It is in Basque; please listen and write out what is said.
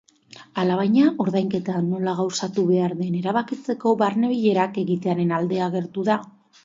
Alabaina, ordainketa nola gauzatu behar den erabakitzeko barne-bilerak egitearen alde agertu da.